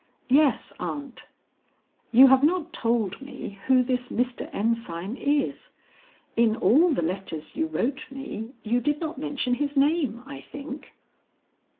"Yes, aunt." "You have not told me who this Mr. Ensign is. In all the letters you wrote me you did not mention his name, I think."